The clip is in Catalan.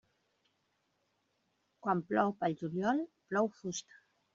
Quan plou pel juliol plou fusta.